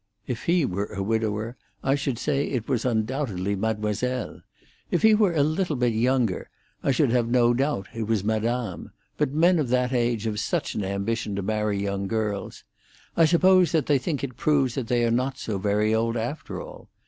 If he were a widower I should say it was undoubtedly mademoiselle. If he were a little bit younger, I should have no doubt it was madame; but men of that age have such an ambition to marry young girls! I suppose that they think it proves they are not so very old, after all.